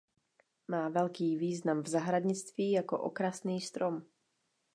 Má velký význam v zahradnictví jako okrasný strom.